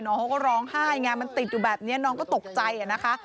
เขาก็ร้องไห้ไงมันติดอยู่แบบนี้น้องก็ตกใจนะคะ